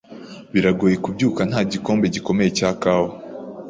Biragoye kubyuka nta gikombe gikomeye cya kawa.